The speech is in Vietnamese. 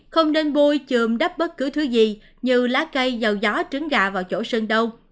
không nên bôi chừm đắp bất cứ thứ gì như lá cây giàu gió trứng gà vào chỗ sưng đâu